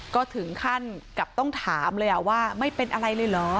ก็ถึงขั้นกับต้องถามเลยว่าไม่เป็นอะไรเลยเหรอ